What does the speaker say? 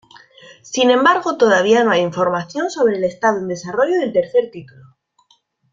Sin embargo todavía no hay información sobre el estado en desarrollo del tercer título.